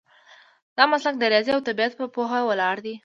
دا مسلک د ریاضي او طبیعت په پوهه ولاړ دی.